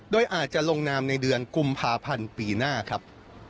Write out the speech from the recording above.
โดยอาจจะลงนามในเดือนกุมภาพันธ์ปีหน้าครับ